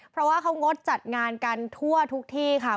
เพราะว่าเขางดจัดงานกันทั่วทุกที่ค่ะ